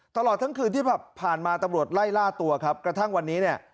ตลอดทั้งคืนที่ผ่านมาตำรวจไล่ล่าตัวครับกระทั่งวันนี้เนี่ย